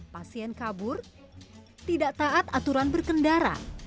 pasien kabur tidak taat aturan berkendara